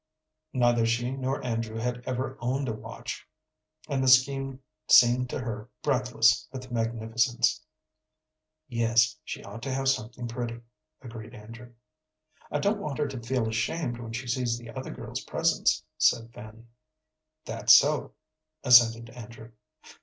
Neither she nor Andrew had ever owned a watch, and the scheme seemed to her breathless with magnificence. "Yes, she ought to have something pretty," agreed Andrew. "I don't want her to feel ashamed when she sees the other girls' presents," said Fanny. "That's so," assented Andrew.